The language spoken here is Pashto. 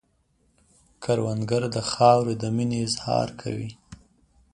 کروندګر د خاورې د مینې اظهار کوي